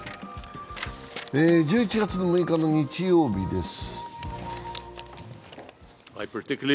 １１月６日日曜日です。